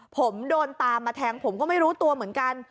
ผมโดนตามมาแทงผมก็ไม่รู้ตัวเหมือนกัน